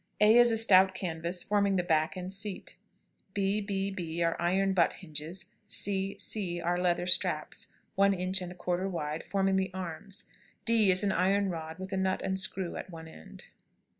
A is a stout canvas, forming the back and seat; b, b, b are iron butt hinges; c, c are leather straps, one inch and a quarter wide, forming the arms; d is an iron rod, with nut and screw at one end.